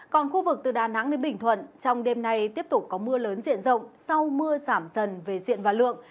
còn khu vực từ đà nẵng đến bình thuận trong đêm nay tiếp tục có mưa lớn diện rộng sau mưa giảm dần về diện và lượng